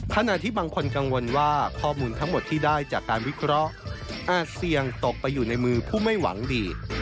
ขณะที่บางคนกังวลว่าข้อมูลทั้งหมดที่ได้จากการวิเคราะห์อาจเสี่ยงตกไปอยู่ในมือผู้ไม่หวังดี